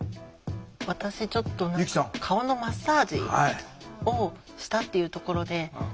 私ちょっと何か「顔のマッサージをした」っていうところで。